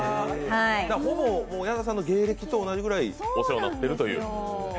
ほぼ、矢田さんの芸歴と同じぐらいお世話になってると。